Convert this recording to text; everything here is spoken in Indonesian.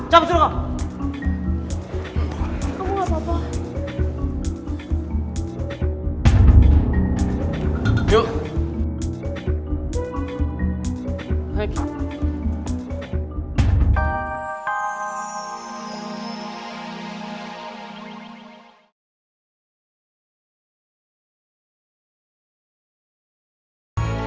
cabut sudah kok